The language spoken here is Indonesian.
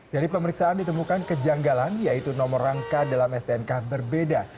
dari pemeriksaan ditemukan kejanggalan yaitu nomor rangka dalam stnk berbeda